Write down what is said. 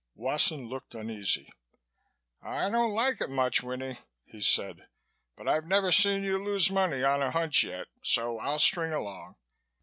Wasson looked uneasy. "I don't like it so much, Winnie," he said, "but I've never seen you lose money on a hunch yet so I'll string along.